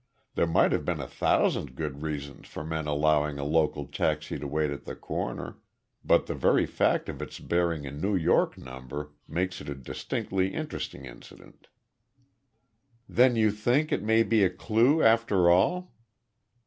There might have been a thousand good reasons for men allowing a local taxi to wait at the corner, but the very fact of its bearing a New York number makes it a distinctly interesting incident." "Then you think that it may be a clue, after all?"